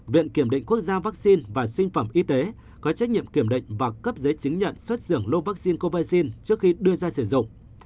viện kiểm định quốc gia vaccine và sinh phẩm y tế có trách nhiệm kiểm định và cấp giấy chứng nhận xuất dưỡng lô vaccine covaxin trước khi đưa ra sử dụng